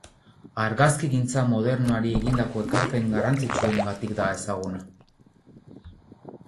Argazkigintza modernoari egindako ekarpen garrantzitsuengatik da ezaguna.